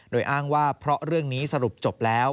โดยอ้างว่าเพราะเรื่องนี้สรุปจบแล้ว